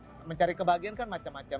mereka mencari kebahagiaan kan macem macem